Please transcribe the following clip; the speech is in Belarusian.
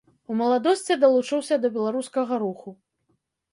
У маладосці далучыўся да беларускага руху.